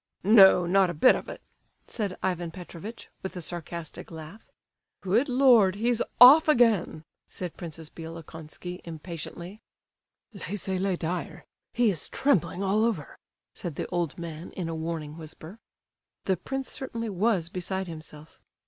"No, not a bit of it," said Ivan Petrovitch, with a sarcastic laugh. "Good Lord, he's off again!" said Princess Bielokonski, impatiently. "Laissez le dire! He is trembling all over," said the old man, in a warning whisper. The prince certainly was beside himself.